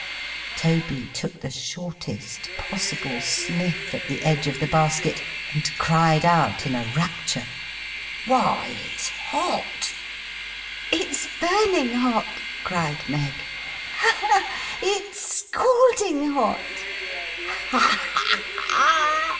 Toby took the shortest possible sniff at the edge of the basket, and cried out in a rapture: 'Why, it's hot!' 'It's burning hot!' cried Meg. 'Ha, ha, ha! It's scalding hot!